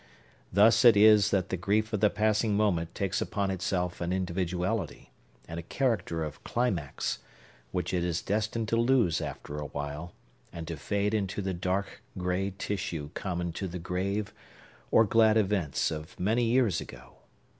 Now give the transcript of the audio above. Thus it is that the grief of the passing moment takes upon itself an individuality, and a character of climax, which it is destined to lose after a while, and to fade into the dark gray tissue common to the grave or glad events of many years ago.